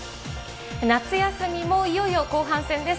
夏休みもいよいよ後半戦です。